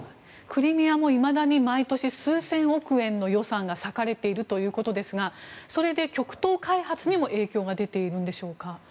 クリミアもいまだに毎年数千億円の予算が割かれているということですがそれで極東開発にも影響が出ているんでしょうか。